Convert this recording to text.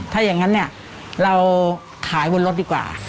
ถ้าอย่างนั้นเนี่ยเราขายบนรถดีกว่า